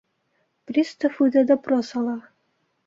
Пристав үҙе допрос ала.